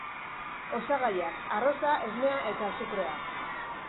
Osagaiak: Arroza, esnea eta azukrea.